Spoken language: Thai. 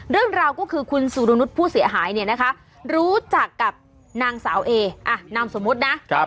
เรื่องราวก็คือคุณสุรนุษย์ผู้เสียหายเนี่ยนะคะรู้จักกับนางสาวเอนามสมมุตินะ